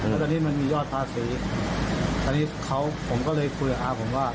แล้วตอนนี้มันมียอดพาซื้อตอนนี้เขาผมก็เลยคุยกับอาผมว่า